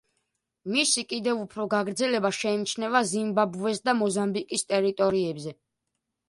მისი კიდევ უფრო გაგრძელება შეიმჩნევა ზიმბაბვეს და მოზამბიკის ტერიტორიებზე.